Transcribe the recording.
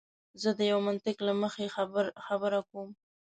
زه د یوه منطق له مخې خبره کوم.